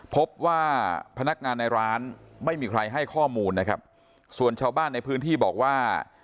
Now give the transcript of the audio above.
พบว่าพนักงานในร้านไม่มีใครให้ข้อมูลนะครับส่วนชาวบ้านในพื้นที่บอกว่า